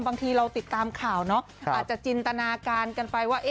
บางทีเราติดตามข่าวเนาะอาจจะจินตนาการกันไปว่า